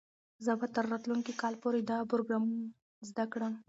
زه به تر راتلونکي کال پورې دا پروګرام زده کړم.